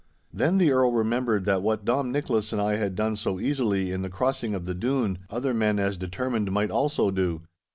Then the Earl remembered that what Dom Nicholas and I had done so easily in the crossing of the Doon, other men as determined might also do.